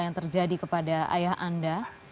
yang terjadi kepada ayah anda